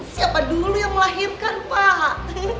siapa dulu yang melahirkan pak